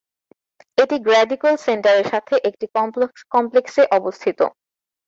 এটি Grady Cole সেন্টারের সাথে একটি কমপ্লেক্সে অবস্থিত।